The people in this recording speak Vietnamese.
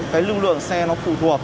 cái lưu lượng xe nó phụ thuộc